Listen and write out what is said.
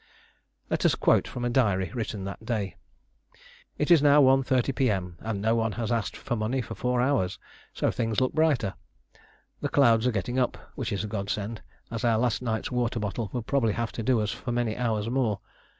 Let us quote from a diary written that day. "It is now 1.30 P.M., and no one has asked for money for four hours, so things look brighter. The clouds are getting up, which is a godsend, as our last night's water bottle will probably have to do us for many hours more.